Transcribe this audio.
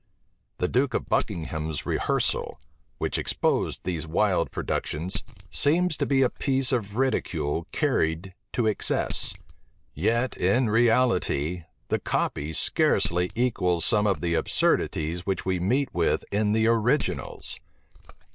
The duke of Buckingham's Rehearsal, which exposed these wild productions, seems to be a piece of ridicule carried to excess; yet in reality, the copy scarcely equals some of the absurdities which we meet with in the originals.